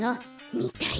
みたい。